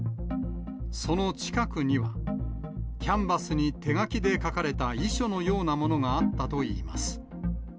その近くには、キャンバスに手書きで書かれた遺書のようなものがあったといいます。